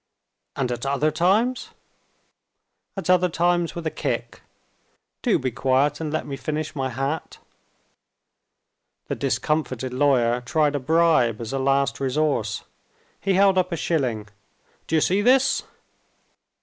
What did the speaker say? "And at other times?" "At other times with a kick. Do be quiet, and let me finish my hat." The discomfited lawyer tried a bribe as a last resource. He held up a shilling. "Do you see this?"